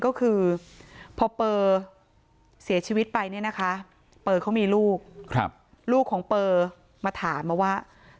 ก็คือพอเปอร์เสียชีวิตไปเนี่ยนะคะเปอร์เขามีลูกลูกของเปอร์มาถามมาว่า